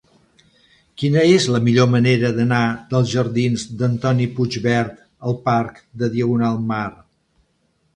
Quina és la millor manera d'anar dels jardins d'Antoni Puigvert al parc de Diagonal Mar?